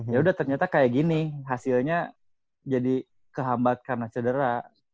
ya udah ternyata kayak gini hasilnya jadi kehambat karena cedera